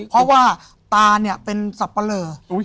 เพราะว่าตาเนี่ยเป็นสับปะเลอ